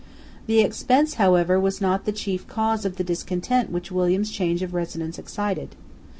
The expense, however, was not the chief cause of the discontent which William's change of residence excited.